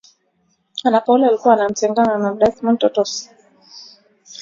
Ana Paula alikuwa ametengana na Dos Santos tangu elfu mbili kumi na saba